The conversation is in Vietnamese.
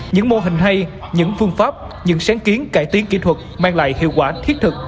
những mô hình hay những phương pháp những sáng kiến cải tiến kỹ thuật mang lại hiệu quả thiết thực